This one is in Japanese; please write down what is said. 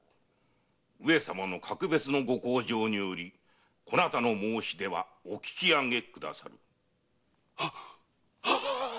上様の格別のご厚情によりそなたの申し出はおきき上げくださる。ははーっ！